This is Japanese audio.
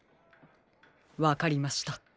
わかりました。